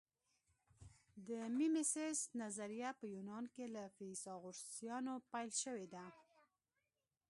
د میمیسیس نظریه په یونان کې له فیثاغورثیانو پیل شوې ده